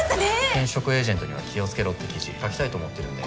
転職エージェントには気を付けろって記事書きたいと思ってるんで。